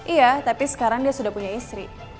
iya tapi sekarang dia sudah punya istri